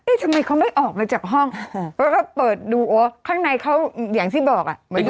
ทำไมเขาไม่ออกมาจากห้องแล้วก็เปิดดูโอ้ข้างในเขาอย่างที่บอกอ่ะ